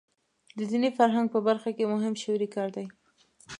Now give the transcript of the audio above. د دیني فرهنګ په برخه کې مهم شعوري کار دی.